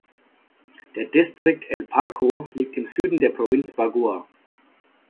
Der Distrikt El Parco liegt im Süden der Provinz Bagua.